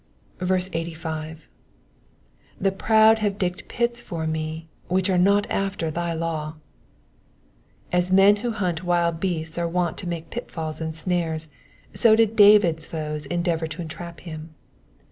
85. ^^The proud hate digged pits for me, which are not after thy law,"*^ As men who hunt wild beasts are wont to make pitfalls and snares, so did David's foes endeavour to entrap him.